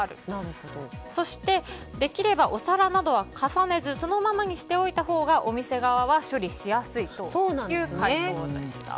そして、できればお皿などは重ねずそのままにしておいたほうがお店側は処理しやすいという回答でした。